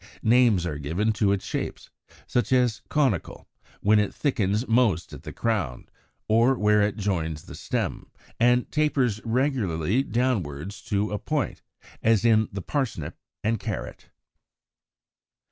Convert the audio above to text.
Names are given to its shapes, such as Conical, when it thickens most at the crown, or where it joins the stem, and tapers regularly downwards to a point, as in the Parsnip and Carrot (Fig.